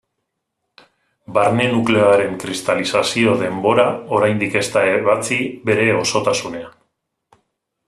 Barne nukleoaren kristalizazio denbora oraindik ez da ebatzi bere osotasunean.